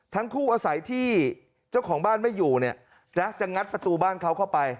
ทั้งคู่อาศัยที่เจ้าของบ้านไม่อยู่เนี่ยนะจะงัดประตูบ้านเขาเข้าไป